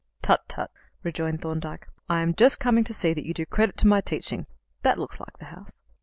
"Tut, tut," rejoined Thorndyke. "I am just coming to see that you do credit to my teaching. That looks like the house."